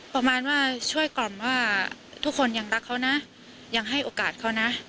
ประมาณว่าช่วยกล่อมว่าทุกคนยังรักเขานะยังให้โอกาสเขานะ